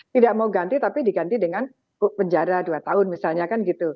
tidak mau ganti tapi diganti dengan penjara dua tahun misalnya kan gitu